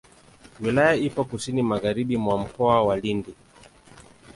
Wilaya ipo kusini magharibi mwa Mkoa wa Lindi.